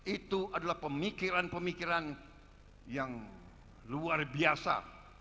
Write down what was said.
itu adalah pemikiran pemikiran yang luar biasa